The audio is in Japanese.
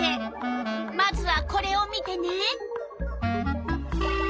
まずはこれを見てね。